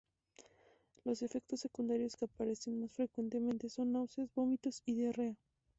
Los efectos secundarios que aparecen más frecuentemente son náuseas, vómitos y diarrea.